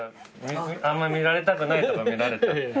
あんま見られたくないとこ見られちゃった。